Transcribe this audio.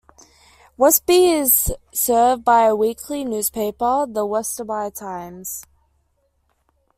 Westby is served by a weekly newspaper, the Westby Times.